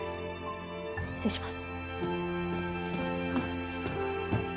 失礼します。